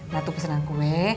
dateng pesenan kue